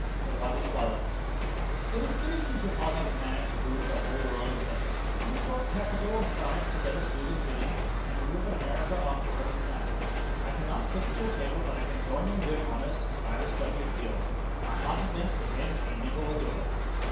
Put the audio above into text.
It was as follows: "It is fitting you should honor the man to whom the whole world is debtor. He brought capital and science together to do his bidding, and Europe and America are forever united. I cannot sit at your table, but I can join in doing honor to Cyrus W. Field. My hearty thanks to him may mingle with yours."